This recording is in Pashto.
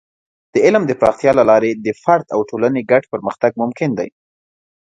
د علم د پراختیا له لارې د فرد او ټولنې ګډ پرمختګ ممکن دی.